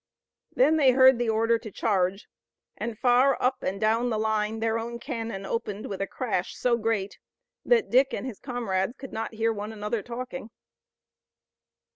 Then they heard the order to charge and far up and down the line their own cannon opened with a crash so great that Dick and his comrades could not hear one another talking.